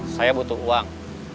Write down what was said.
saya butuh uang